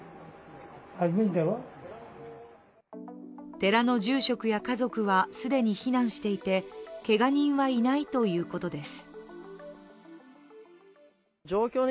寺の住職や家族は、既に避難していてけが人はいないということです。